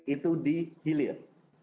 itu di hilir